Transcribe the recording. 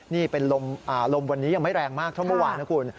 นี่เป็นลมวันนี้ยังไม่แรงมากเท่าเมื่อวานนะคุณ